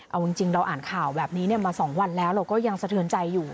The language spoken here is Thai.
เอาจริงเราอ่านข่าวแบบนี้มา๒วันแล้วเราก็ยังสะเทือนใจอยู่